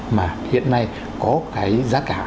mà hiện nay có cái giá cả